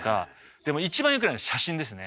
でも一番よくないのは写真ですね。